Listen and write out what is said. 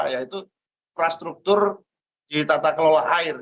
yaitu infrastruktur ditata kelola air